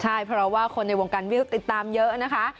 ใช่เพราะว่าคนในวงการวิวติดตามเยอะนะคะ